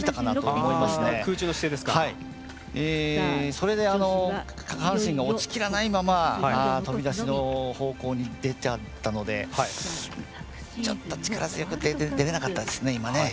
それで下半身が落ちきらないまま飛び出しの方向に出ちゃったのでちょっと力強く出れなかったですね、今ね。